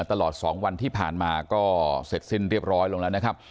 ตลอด๒วันที่ผ่านมาก็เสร็จสิ้นเรียบร้อยลงแล้วนะครับ